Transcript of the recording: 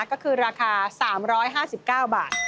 ก็คือราคา๓๕๙บาท